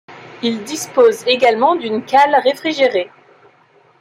Il dispose également d'une cale réfrigérée.